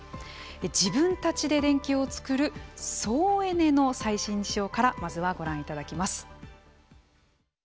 自分たちで電気を作る創エネの最新事情からまずはご覧いただきます。